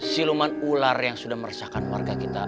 siluman ular yang sudah meresahkan warga kita